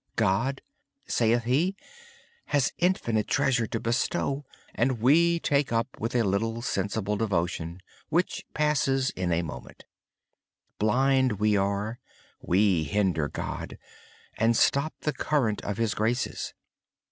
God, says he, has infinite treasure to bestow, and we take so little through routine devotion which lasts but a moment. Blind as we are, we hinder God, and stop the current of His graces.